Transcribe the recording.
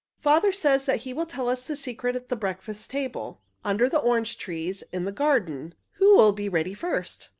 "Father says he will tell us the secret at the breakfast table, under the orange trees in the garden. Who will be ready first?"